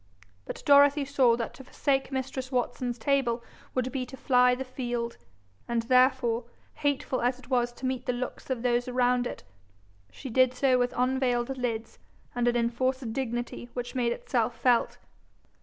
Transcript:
But Dorothy saw that to forsake mistress Watson's table would be to fly the field, and therefore, hateful as it was to meet the looks of those around it, she did so with unvailed lids and an enforced dignity which made itself felt.